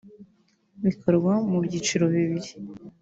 Bikorwa mu byiciro bibiri